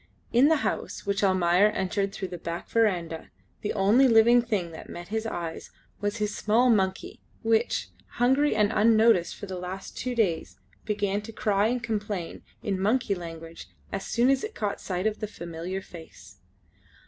In the house, which Almayer entered through the back verandah, the only living thing that met his eyes was his small monkey which, hungry and unnoticed for the last two days, began to cry and complain in monkey language as soon as it caught sight of the familiar face.